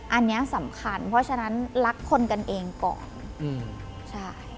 อันนี้สำคัญเพราะฉะนั้นรักคนกันเองก่อนอืมใช่